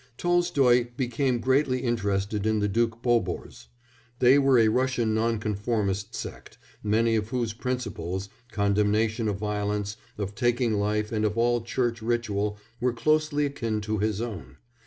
Tolstoy became greatly interested in the Doukbobors: they were a Russian Nonconformist sect, many of whose principles condemnation of violence, of taking life and of all church ritual were closely akin to his own.